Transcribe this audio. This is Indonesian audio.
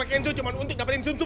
ataupun bagian mereka